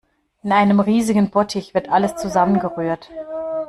In einem riesigen Bottich wird alles zusammengerührt.